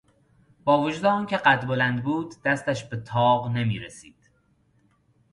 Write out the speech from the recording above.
با وجود آنکه قد بلند بود دستش به طاق نمیرسید.